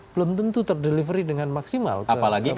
belum tentu terdelivery dengan maksimal ke publik